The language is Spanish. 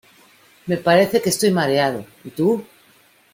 Me parece que estoy mareado, ¿y tú?